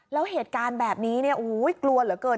แล้วเหตุการณ์แบบนี้กลัวเหลือเกิน